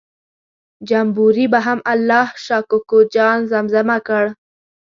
جمبوري به هم الله شا کوکو جان زمزمه کړ.